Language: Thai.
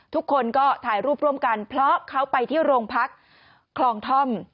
ทุกคนก็ถ่ายรูปร่วมกันเพราะเขาไปที่โรงพักคลองท่อม